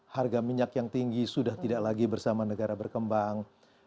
harga minyak yang tinggi sudah tidak lagi bersama negara berkembang